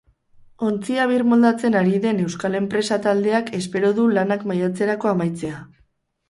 Ontzia birmoldatzen ari den euskal enpresa taldeak espero du lanak maiatzerako amaitzea.